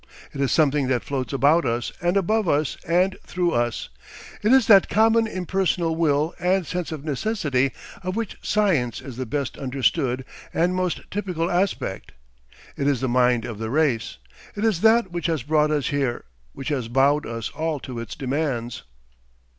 It is something that floats about us, and above us, and through us. It is that common impersonal will and sense of necessity of which Science is the best understood and most typical aspect. It is the mind of the race. It is that which has brought us here, which has bowed us all to its demands....